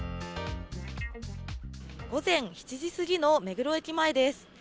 午前７時過ぎの目黒駅前です。